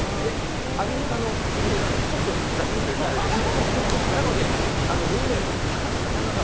アメリカの職人さんのほうがちょっと雑と言ったらあれですけれども、なので、縫い目がちょっと高くなる。